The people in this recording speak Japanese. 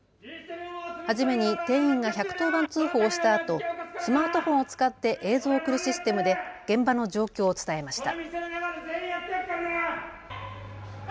初めに店員が１１０番通報をしたあとスマートフォンを使って映像を送るシステムで現場の状況を伝えました。